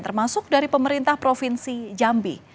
termasuk dari pemerintah provinsi jambi